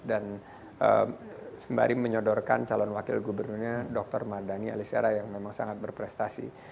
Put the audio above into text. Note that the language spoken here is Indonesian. dan sembari menyodorkan calon wakil gubernurnya dr mardhani alisera yang memang sangat berprestasi